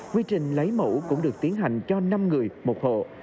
quy trình lấy mẫu cũng được tiến hành cho năm người một hộ